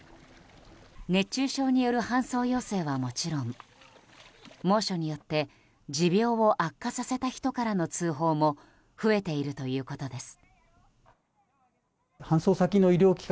熱中症による搬送要請はもちろん猛暑によって持病を悪化させた人からの通報も増えているということです。